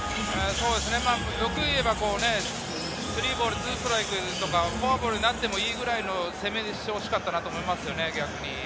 欲を言えば３ボール２ストライクとか、フォアボールになってもいいぐらいの攻めをしてほしかったなと思います。